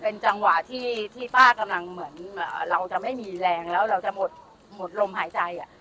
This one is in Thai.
เป็นจังหวะที่ป้ากำลังเหมือนเราจะไม่มีแรงแล้วเราจะหมดลมหายใจ